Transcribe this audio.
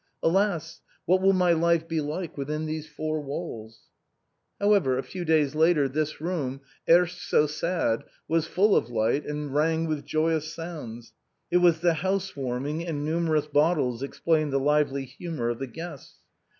Alas! what will my life be like within these four walls ?" However, a few days later this room, erst so sad, was full of light, and rang with joyous sounds, it was the house warming, and numerous bottles explained the lively humor of the guests.